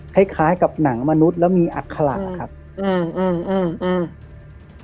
คล้ายคล้ายกับหนังมนุษย์แล้วมีอัดขระครับอืมอืมอืมอืม